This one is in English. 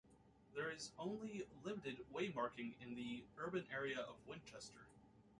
There is only limited waymarking in the urban area of Winchester.